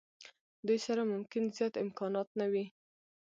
دوی سره ممکن زیات امکانات نه وي.